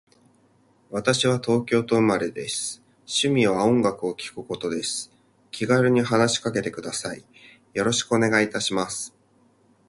私は東京都生まれです。趣味は音楽を聴くことです。気軽に話しかけてください。よろしくお願いいたします。